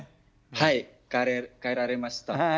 はい帰られました。